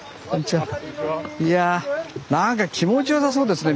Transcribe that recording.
いやなんか気持ちよさそうですね